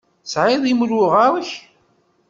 Tesɛiḍ imru ɣer-k?